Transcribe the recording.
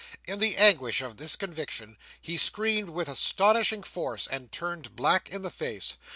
In the anguish of this conviction, he screamed with astonishing force, and turned black in the face.